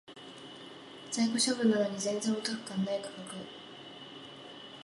在庫処分なのに全然お得感ない価格